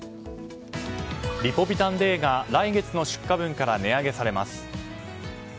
リポビタンＤが来月の出荷分から値上げされます。